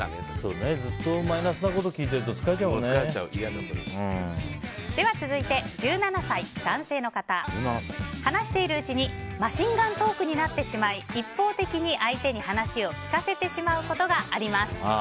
ずっとマイナスなことを聞いてると続いて、１７歳、男性の方。話しているうちにマシンガントークになってしまい一方的に相手に話を聞かせてしまうことがあります。